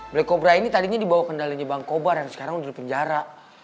blikobrah ini tadinya dibawa kendalinya bang cobarawi yang sekarang udah di penjara